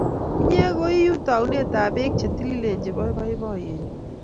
Inye ko iu taunetap pek che tililen chepo poipoiyenyu.